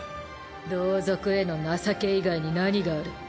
同族への情け以外に何がある？